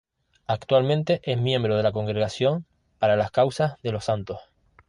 Actualmente es miembro de la Congregación para las Causas de los Santos.